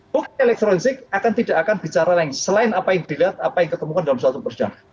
bukti elektronik akan tidak akan bicara lain selain apa yang dilihat apa yang ketemukan dalam suatu persidangan